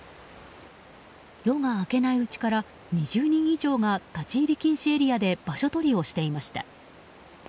夜が明けないうちから２０人以上が立ち入り禁止エリアで場所取りをしていました。